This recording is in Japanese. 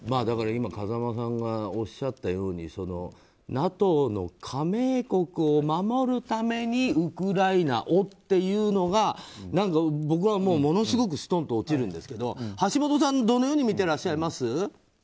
だから今風間さんがおっしゃったようにＮＡＴＯの加盟国を守るためにウクライナをっていうのが僕はものすごくすとんと落ちるんですけど橋下さん、どのように見てらっしゃいます？